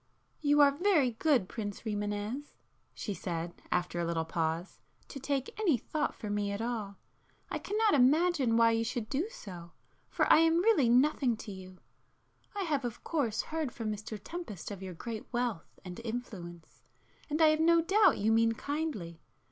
"You are very good, Prince Rimânez," she said, after a little pause—"to take any thought for me at all. I cannot [p 346] imagine why you should do so; for I am really nothing to you. I have of course heard from Mr Tempest of your great wealth and influence, and I have no doubt you mean kindly.